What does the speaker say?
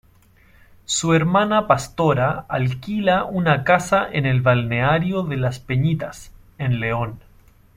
Su hermana Pastora alquila una casa en el balneario de Las Peñitas, en León.